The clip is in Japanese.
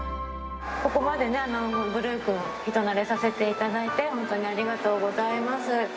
ここまでブルー君、人なれさせていただいて、本当にありがとうございます。